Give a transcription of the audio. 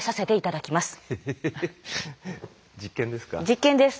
実験です。